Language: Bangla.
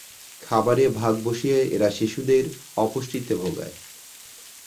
খাবারে ভাগ বসিয়ে এরা শিশুদের অপুষ্টিতে ভোগায়।